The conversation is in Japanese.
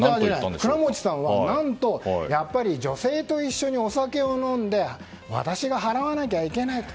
クラモチさんは何と女性と一緒にお酒を飲んで私が払わなきゃいけないと。